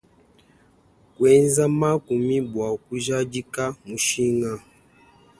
Kuenza makumi bua kujadika mushinga.